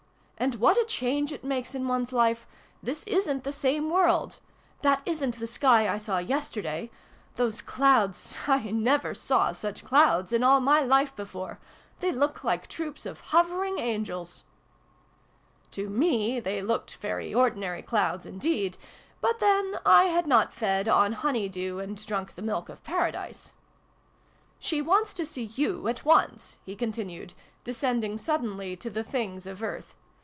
And what a change it makes in one's Life ! This isn't the same world ! That isn't the sky I saw yesterday ! Those clouds 1 never saw such clouds in all my life before ! They look like troops of hovering angels !" To me they looked very ordinary clouds indeed : but then / had not fed ' on honey dew, And drunk the milk of Paradise '!" She wants to see you at once," he continued, descending suddenly to the things of earth.